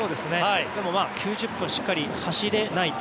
でも９０分しっかり走れないと。